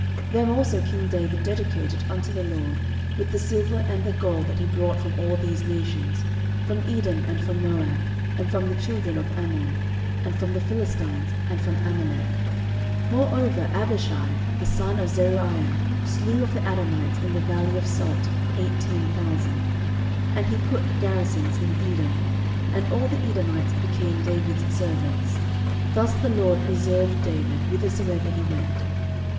13:018:011 Them also king David dedicated unto the LORD, with the silver and the gold that he brought from all these nations; from Edom, and from Moab, and from the children of Ammon, and from the Philistines, and from Amalek. 13:018:012 Moreover Abishai the son of Zeruiah slew of the Edomites in the valley of salt eighteen thousand. 13:018:013 And he put garrisons in Edom; and all the Edomites became David's servants. Thus the LORD preserved David whithersoever he went.